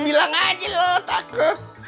bilang aja lo takut